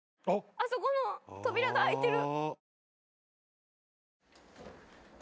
あそこの扉が開いてる。